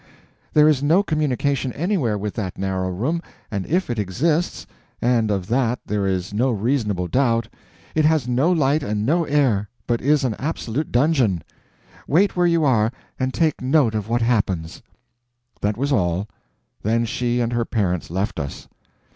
There is no communication anywhere with that narrow room, and if it exists—and of that there is no reasonable doubt—it has no light and no air, but is an absolute dungeon. Wait where you are, and take note of what happens." That was all. Then she and her parents left us.